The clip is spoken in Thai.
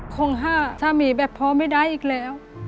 คงห้าสามีแบบพอไม่ได้อีกแล้ว